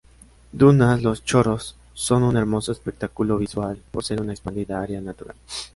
Dunas Los Choros: son un hermoso espectáculo visual, por ser una expandida área natural.